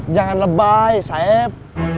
jangan lebay saep